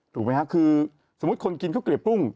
ถูกมั้ยคะคือสมมติคนกินเค้าเกลียบปุ้ง